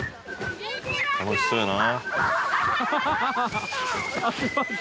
楽しそうやな。